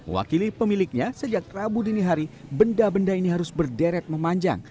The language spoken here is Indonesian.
wakili pemiliknya sejak rabu dini hari benda benda ini harus berderet memanjang